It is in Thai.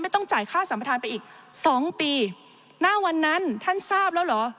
ต้องจ่ายค่าสัมประธานไปอีกสองปีหน้าวันนั้นท่านทราบแล้วเหรอ